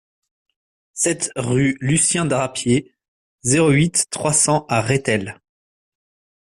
sept rue Lucien Drapier, zéro huit, trois cents à Rethel